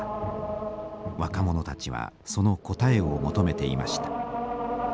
若者たちはその答えを求めていました。